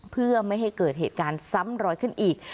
เพื่อไม่ให้เกิดเหตุการณ์ซ้ำรอยขึ้นอีก